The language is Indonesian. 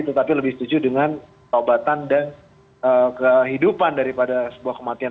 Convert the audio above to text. tetapi lebih setuju dengan taubatan dan kehidupan daripada sebuah kematian